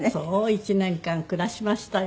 １年間暮らしましたよ。